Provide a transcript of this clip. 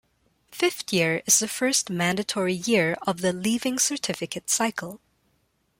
Fifth year is the first mandatory year of the Leaving Certificate cycle.